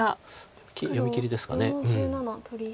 読みきりですか。